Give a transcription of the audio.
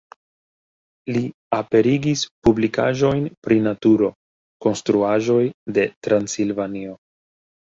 Li aperigis publikaĵojn pri naturo, konstruaĵoj de Transilvanio.